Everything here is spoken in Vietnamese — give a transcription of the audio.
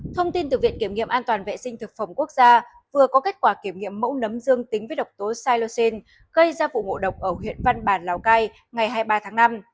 thông tin từ viện kiểm nghiệm an toàn vệ sinh thực phẩm quốc gia vừa có kết quả kiểm nghiệm mẫu nấm dương tính với độc tố silusine gây ra vụ ngộ độc ở huyện văn bản lào cai ngày hai mươi ba tháng năm